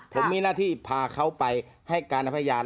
ผมมีหน้าที่พาเขาไปให้การในพยาน